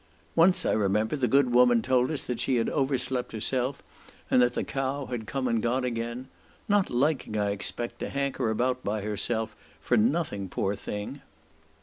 Once, I remember, the good woman told us that she had overslept herself, and that the cow had come and gone again, "not liking, I expect, to hanker about by herself for nothing, poor thing."